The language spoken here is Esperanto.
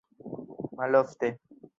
malofte